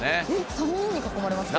「３人に囲まれましたよ